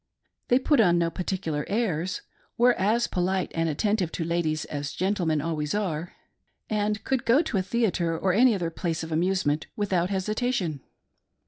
They put on no particular airs, were as polite ' and attentive to ladies as gentlemen always are, and could go to a theatre or any other place of amusement without hesita tion.